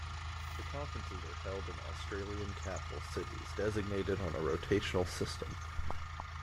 The conferences are held in Australian capital cities designated on a rotational system.